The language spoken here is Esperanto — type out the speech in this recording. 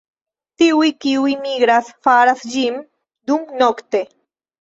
Tiuj kiuj migras faras ĝin dumnokte.